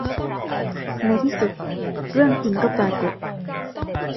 ในที่สุดเรื่องจริงก็ปรากฏ